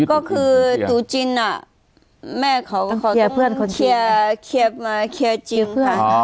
ก็คือตุดจีนแม่เขาเขาต้องเคลียร์เพื่อนคนจีน